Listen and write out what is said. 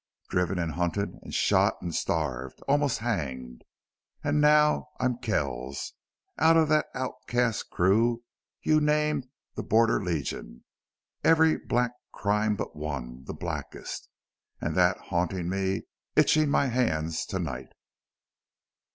Driven and hunted and shot and starved almost hanged!... And now I'm Kells! of that outcast crew you named 'the Border Legion!' Every black crime but one the blackest and that haunting me, itching my hands to night."